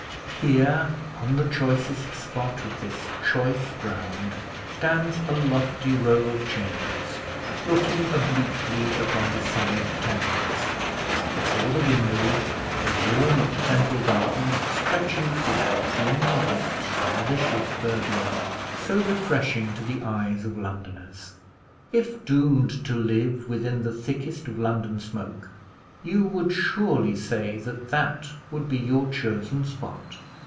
Here, on the choicest spot of this choice ground, stands a lofty row of chambers, looking obliquely upon the sullied Thames; before the windows, the lawn of the Temple Gardens stretches with that dim yet delicious verdure so refreshing to the eyes of Londoners. If doomed to live within the thickest of London smoke you would surely say that that would be your chosen spot.